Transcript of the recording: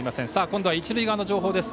今度は一塁側の情報です。